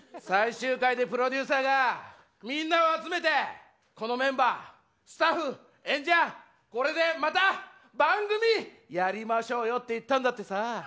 最終回でプロデューサーがみんなを集めて「このメンバースタッフ演者これでまた番組やりましょうよ」って言ったんだってさ。